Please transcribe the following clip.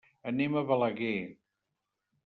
Anem a Balaguer.